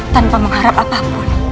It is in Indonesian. tanpa mengharap apapun